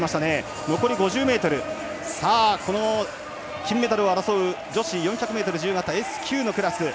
金メダルを争う女子４００ｍ自由形Ｓ９のクラス。